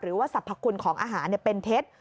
หรือว่าสรรพคุณของอาหารเป็นเท็จ